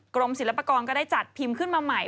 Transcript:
กรมศิลปากรก็ได้จัดพิมพ์ขึ้นมาใหม่